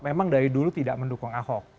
memang dari dulu tidak mendukung ahok